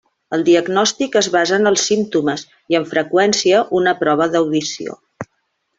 El diagnòstic es basa en els símptomes i amb freqüència una prova d'audició.